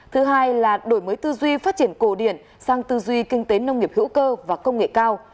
thứ hai là đổi mới tư duy phát triển cổ điển sang tư duy kinh tế nông nghiệp hữu cơ và công nghệ cao